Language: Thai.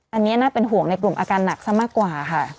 อันนี้น่าเป็นห่วงในกลุ่มอาการหนักซะมากกว่าค่ะ